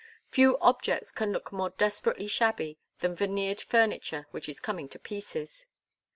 Few objects can look more desperately shabby than veneered furniture which is coming to pieces.